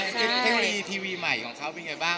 เทคโนโลยีทีวีใหม่ของเขาเป็นไงบ้าง